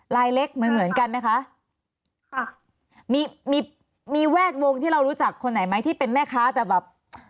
ลายเล็กเหมือนเหมือนกันไหมคะค่ะมีมีแวดวงที่เรารู้จักคนไหนไหมที่เป็นแม่ค้าแต่แบบ